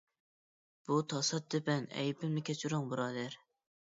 بۇ تاسادىپەن ئەيىبىمنى كەچۈرۈڭ، بۇرادەر.